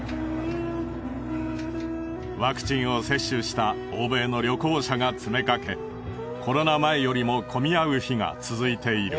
ワクチンを接種した欧米の旅行者が詰めかけコロナ前よりも混み合う日が続いている。